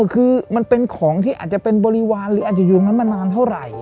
คือมันเป็นของที่อาจจะเป็นบริวารหรืออาจจะอยู่ตรงนั้นมานานเท่าไหร่